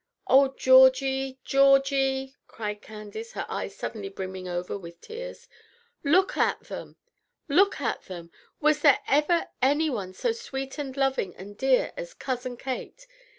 "Oh, Georgie, Georgie," cried Candace, her eyes suddenly brimming over with tears, "look at that, look at them! Was there ever any one so sweet and loving and dear as Cousin Kate?